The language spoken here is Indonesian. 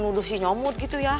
nuduh si nyomut gitu ya